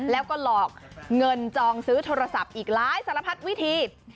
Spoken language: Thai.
แล้วก็หลอกเงินจองซื้อโทรศัพท์อีกหลายสารพัดวิธี